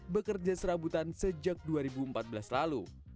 bekerja serabutan sejak dua ribu empat belas lalu